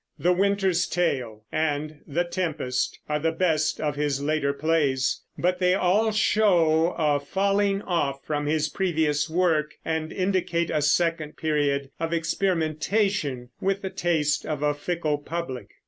The Winter's Tale and The Tempest are the best of his later plays; but they all show a falling off from his previous work, and indicate a second period of experimentation with the taste of a fickle public.